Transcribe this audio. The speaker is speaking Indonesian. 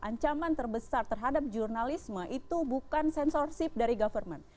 ancaman terbesar terhadap jurnalisme itu bukan sensorship dari government